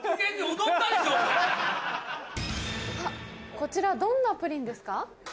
こちらどんなプリンですか？